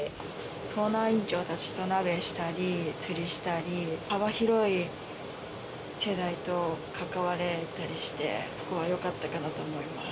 操だ員長たちと鍋したり、釣りしたり、幅広い世代と関われたりして、そこはよかったかなと思います。